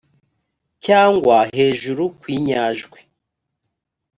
cyangwa hejuru kw inyajwi